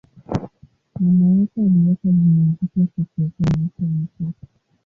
Mama yake aliweka jina jipya kwa kuokoa maisha ya mtoto.